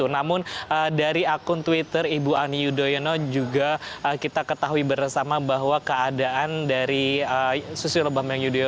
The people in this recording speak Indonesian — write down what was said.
namun dari akun twitter ibu ani yudhoyono juga kita ketahui bersama bahwa keadaan dari susilo bambang yudhoyono